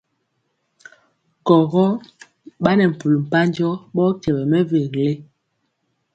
Kɔgɔ ɓa nɛ mpul mpanjɔ ɓɔɔ kyɛwɛ mɛvele.